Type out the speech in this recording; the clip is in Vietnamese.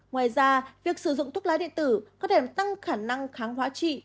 ngoài ra việc sử dụng thuốc lá điện tử có thể tăng khả năng kháng hóa trị